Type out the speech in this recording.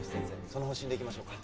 その方針でいきましょうか。